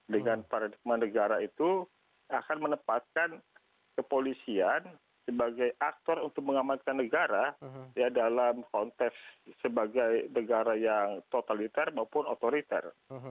dengan paradigma negara itu akan menempatkan kepolisian sebagai aktor untuk mengamankan negara dalam konteks sebagai negara yang totalitar maupun otoriter